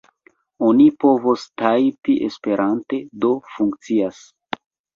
Oni povos tajpi esperante, do funkcias.